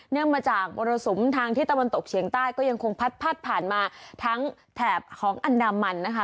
มาจากมรสุมทางที่ตะวันตกเฉียงใต้ก็ยังคงพัดผ่านมาทั้งแถบของอันดามันนะคะ